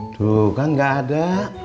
duh kan gak ada